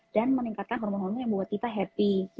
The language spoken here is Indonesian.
dan meningkatkan hormon hormon yang membuat kita happy